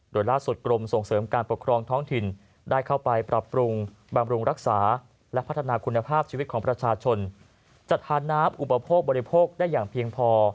โดยล่าสุดกรมส่งเสริมการปกครองท้องถิ่นได้เข้าไปปรับปรุงบำรุงรักษาและพัฒนาคุณภาพชีวิตของประชาชนจัดทานน้ำอุปโภคบริโภคได้อย่างเพียงพอ